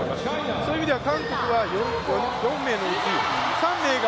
そういう意味では韓国は４泳のうち３泳が